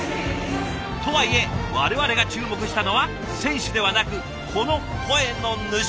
とはいえ我々が注目したのは選手ではなくこの声の主。